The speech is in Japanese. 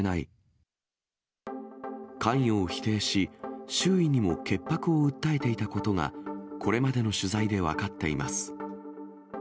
関与を否定し、周囲にも潔白を訴えていたことが、これまでの取材で分かっています。